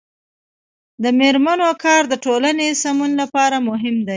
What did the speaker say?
د میرمنو کار د ټولنې سمون لپاره مهم دی.